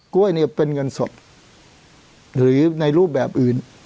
กล้วยเนี่ยเป็นเงินสดหรือในรูปแบบอื่น